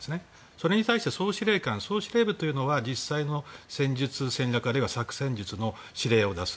それに対して総司令官、総司令部というのは実際の戦術・戦略あるいは策、戦術の指令を出す。